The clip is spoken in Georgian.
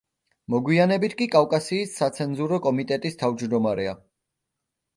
მოგვიანებით კი კავკასიის საცენზურო კომიტეტის თავჯდომარეა.